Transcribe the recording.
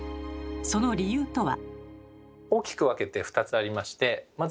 その理由とは。